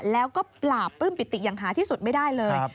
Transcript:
แล้วก็ปราบปลื้มปิติอย่างหาที่สุดไม่ได้เลย